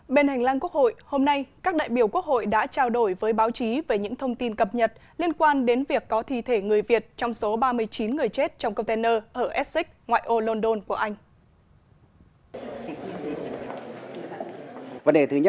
bên hành lang quốc hội hôm nay các đại biểu quốc hội đã trao đổi với báo chí về những thông tin cập nhật liên quan đến việc có thi thể người việt trong số ba mươi chín người chết trong container ở essex ngoại ô london của anh